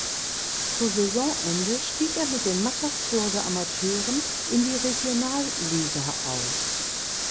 Zu Saisonende stieg er mit den Mattersburger Amateuren in die Regionalliga auf.